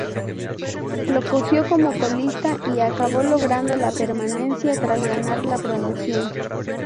Lo cogió como colista y acabó logrando la permanencia tras ganar la promoción.